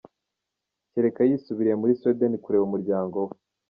Karekezi yisubiriye muri Sweden kureba umuryango we.